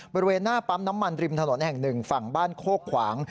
บริเวณหน้าปั๊มน้ำมันริมถนนแห่งหนึ่งฝั่งบ้านโคกขวาง